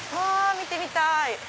見てみたい。